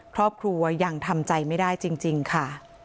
ครอบครัวยังทำใจไม่ได้จริงค่ะ